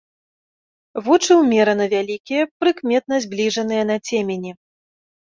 Вочы ўмерана вялікія, прыкметна збліжаныя на цемені.